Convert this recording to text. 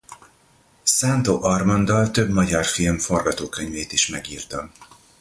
Szántó Armanddal több magyar film forgatókönyvét is megírta.